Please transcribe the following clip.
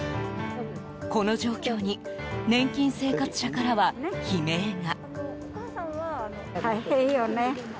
この状況に年金生活者からは悲鳴が。